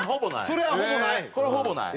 それはほぼない？